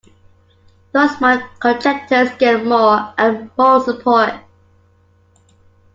Thus my conjectures get more and more support.